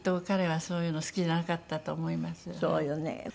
そうよね。